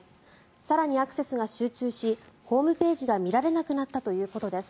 更にアクセスが集中しホームページが見られなくなったということです。